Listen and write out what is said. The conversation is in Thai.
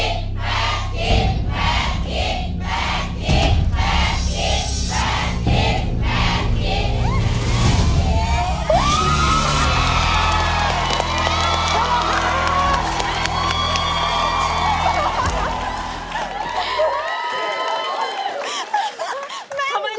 ทำไมในแบบนี้อ่ะ